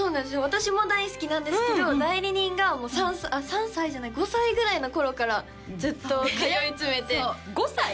私も大好きなんですけど代理人がもう３歳３歳じゃない５歳ぐらいの頃からずっと通い詰めて５歳？